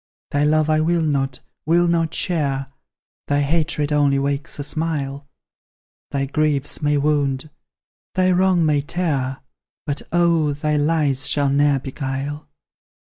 Thy love I will not, will not share; Thy hatred only wakes a smile; Thy griefs may wound thy wrongs may tear, But, oh, thy lies shall ne'er beguile!